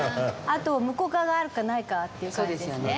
あと向こう側があるかないかっていう感じですね。